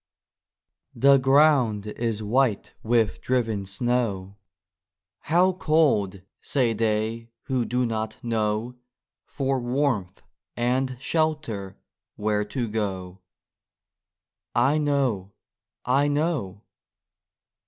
THE ground is white with driven snow " How cold !" say they who do not know For warmth and shelter where to go, (/know ! /know!)